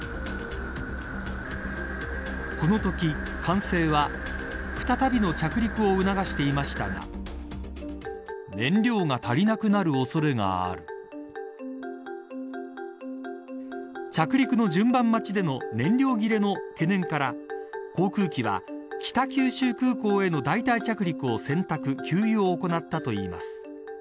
このとき、管制は再びの着陸を促していましたが着陸の順番待ちでの燃料切れの懸念から航空機は北九州空港への代替着陸を選択給油を行ったといいます。